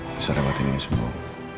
bisa dapatin ini semua